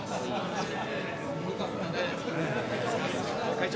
会長。